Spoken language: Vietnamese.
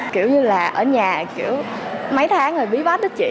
kiểu như là ở nhà kiểu mấy tháng rồi bí bách hết chị